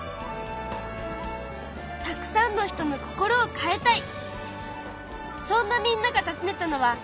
たくさんの人の心を変えたい。